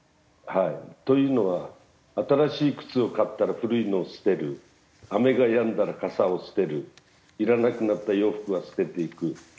はいというのは新しい靴を買ったら古いのを捨てる雨がやんだら傘を捨てるいらなくなった洋服は捨てていく。